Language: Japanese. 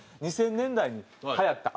２０００年代にはやったＡ．Ｐ．Ｃ．。